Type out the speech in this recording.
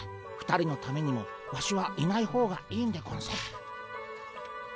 ２人のためにもワシはいない方がいいんでゴンス。